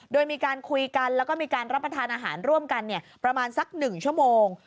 โดยมีการคุยกันแล้วก็มีการรับประทานอาหารร่วมกันประมาณสัก๑ชั่วโมง